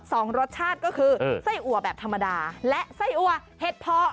๒รสชาติก็คือเออไส้อวบ้านธรรมดาและไส้อุ๋อเห็ดเพาะ